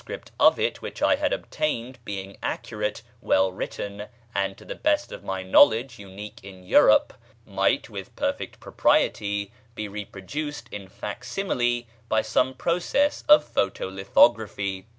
of it which I had obtained, being accurate, well written, and, to the best of my knowledge, unique in Europe, might, with perfect propriety, be reproduced in fac simile by some process of photo lithography.